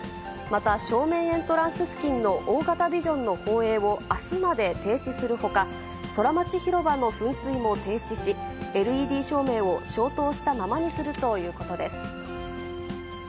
また正面エントランス付近の大型ビジョンの放映をあすまで停止するほか、ソラマチひろばの噴水も停止し、ＬＥＤ照明を消灯したままにするということです。